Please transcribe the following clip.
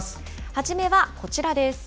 はじめはこちらです。